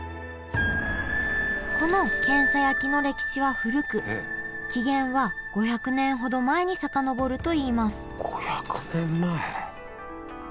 このけんさ焼きの歴史は古く起源は５００年ほど前に遡るといいます５００年前！？